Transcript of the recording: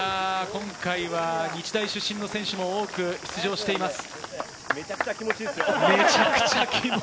今回は日大出身の選手も多く出場しています。